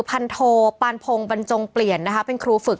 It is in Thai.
พันโทปานพงบันจงเปลี่ยนเป็นครูฝึก